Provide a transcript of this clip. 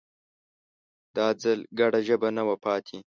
دا ځل ګډه ژبه نه وه پاتې